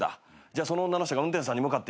その女の人が運転手さんに向かって言うんですよね。